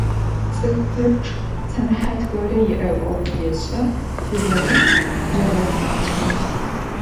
Цӏыфы пэпчъ сэнэхьат горэ иӏэу ӏоф ешӏэ, зыгорэ егъэцакӏэ.